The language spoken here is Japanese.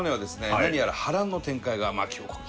何やら波乱の展開が巻き起こる！